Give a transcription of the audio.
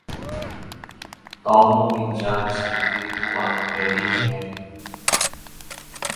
Tom meminjam sedikit uang dari Mary.